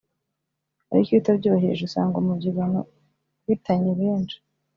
ariko iyo utabyubahirije usanga umubyigano uhitanye benshi”